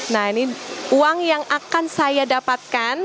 nah ini uang yang akan saya dapatkan